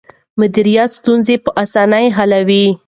مديريت ستونزې په اسانه حلوي.